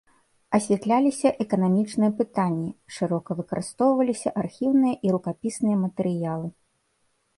Асвятляліся эканамічныя пытанні, шырока выкарыстоўваліся архіўныя і рукапісныя матэрыялы.